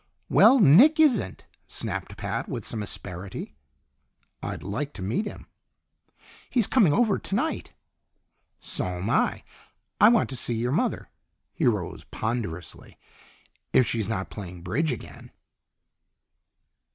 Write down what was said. "Well, Nick isn't!" snapped Pat with some asperity. "I'd like to meet him." "He's coming over tonight." "So'm I. I want to see your mother." He rose ponderously. "If she's not playing bridge again!"